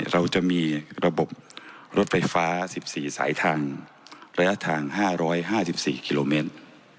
เราจะมีระบบรถไฟฟ้า๑๔สายทางระยะทาง๕๕๔กิโลเมตร